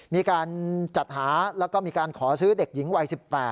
มีการจัดหาแล้วก็มีการขอซื้อเด็กหญิงวัย๑๘